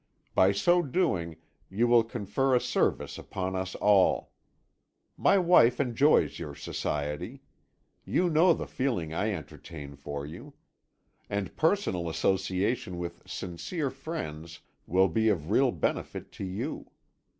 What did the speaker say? By so doing you will confer a service upon us all. My wife enjoys your society; you know the feeling I entertain for you; and personal association with sincere friends will be of real benefit to you.